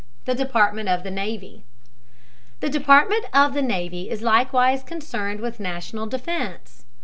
THE DEPARTMENT OF THE NAVY. The Department of the Navy is likewise concerned with national defense.